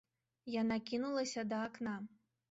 Яна кінулася да акна.